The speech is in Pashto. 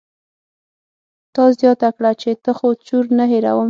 تا زياته کړه چې ته خو چور نه هېروم.